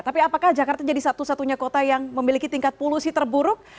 tapi apakah jakarta jadi satu satunya kota yang memiliki tingkat polusi terburuk